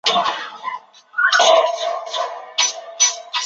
魏东河出身花莲地方派系魏家。